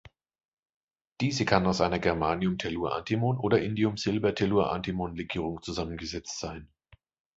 Diese kann aus einer Germanium-Tellur-Antimon- oder Indium-Silber-Tellur-Antimon-Legierung zusammengesetzt sein.